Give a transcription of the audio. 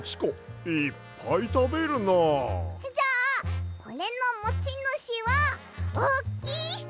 じゃあこれのもちぬしはおっきいひと！